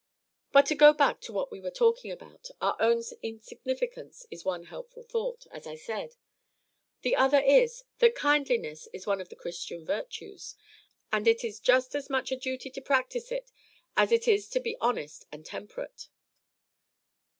But to go back to what we were talking about, our own insignificance is one helpful thought, as I said; the other is, that kindliness is one of the Christian virtues, and it is just as much a duty to practise it as it is to be honest and temperate."